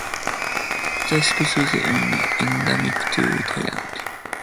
The species is endemic to Thailand.